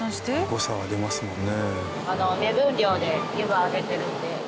誤差ありますもんね。